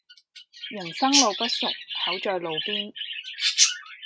人生路不熟口在路邊